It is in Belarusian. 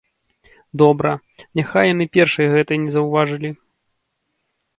Добра, няхай яны першай гэтай не заўважылі.